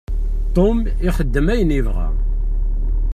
Tom ixeddem ayen yebɣa.